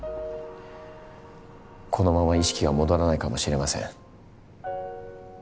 このまま意識が戻らないかもしれません。